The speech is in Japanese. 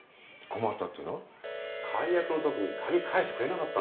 解約のときに鍵返してくれなかったんですよ。